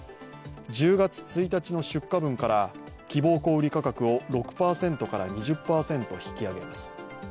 １０月１日の出荷分から希望小売価格を６％から２０％引き上げます。